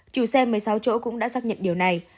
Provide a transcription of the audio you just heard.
chủ xe một mươi sáu chỗ cũng đã xác nhận điều này